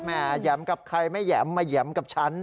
แหมแย๋มกับใครไม่แย๋มไม่แย๋มกับฉัน